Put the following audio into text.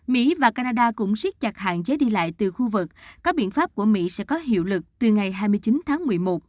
mỹ và canada cũng siết chặt hạn chế đi lại từ khu vực có biện pháp của mỹ sẽ có hiệu lực từ ngày hai mươi chín tháng một mươi một